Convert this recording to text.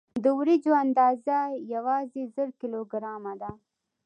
د وریجو اندازه یوازې زر کیلو ګرامه ده.